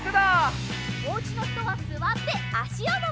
おうちのひとはすわってあしをのばします。